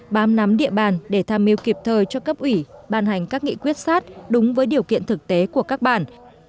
bám nắm địa bàn để tham mưu kịp thời cho cấp ủy ban hành các nghị quyết sát đúng với điều kiện thực tế của các bản